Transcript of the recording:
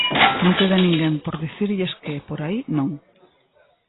Non queda ninguén por dicirlles que, por aí, non.